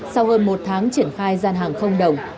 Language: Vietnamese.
sau hơn một tháng triển khai gian hàng không đồng